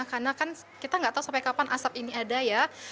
karena kan kita tidak tahu sampai kapan asap ini ada ya